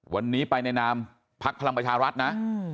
วันนี้ไปในนามพักพลังประชารัฐนะ